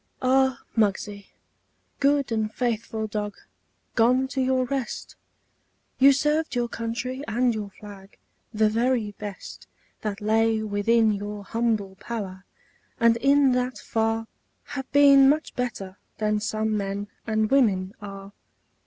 Ah, Muggsie, good and faithful dog, Gone to your rest! You served your country and your flag The very best That lay within your humble power, And in that far Have been much better than some men And women are.